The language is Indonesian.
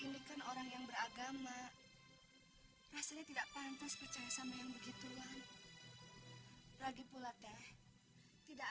ini kan orang yang beragama rasanya tidak pantas percaya sama yang begituan lagi pula teh tidak